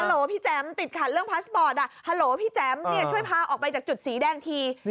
โหลพี่แจ๋มติดขัดเรื่องพาสปอร์ตฮัลโหลพี่แจ๋มช่วยพาออกไปจากจุดสีแดงที